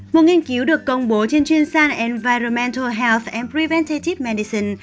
một nghiên cứu được công bố trên chuyên sàn environmental health and preventative medicine